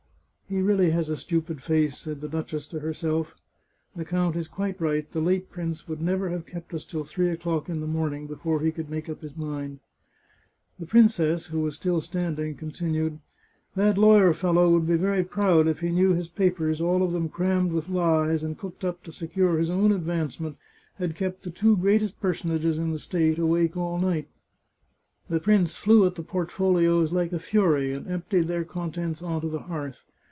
" He really has a stupid face," said the duchess to herself. " The count is quite right, the late prince would never have kept us till three o'clock in the morning before he could make up his mind." The princess, who was still standing, continued: " That lawyer fellow would be very proud if he knew his papers, all of them crammed with lies, and cooked up to secure his own advancement, had kept the two greatest per sonages in the state awake all night !" The prince flew at the portfolios like a fury, and emptied their contents on to the hearth.